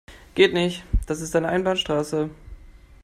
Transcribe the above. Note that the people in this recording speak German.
Geht nicht, das ist eine Einbahnstraße.